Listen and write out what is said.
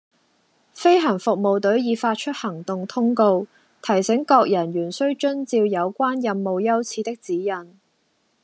飛行服務隊已發出行動通告，提醒各人員須遵照有關任務優次的指引